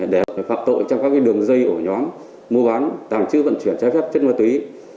để phạm tội trong các đường dây ổ nhóm mua bán tàng trữ vận chuyển trái phép chất ma túy